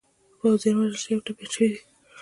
پوځیان وژل شوي او ټپیان شوي دي.